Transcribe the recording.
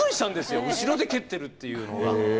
後ろで蹴ってるっていうのが。